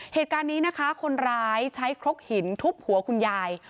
เหตุการณ์นี้นะคะคนร้ายใช้ครกหินทุบหัวคุณยาย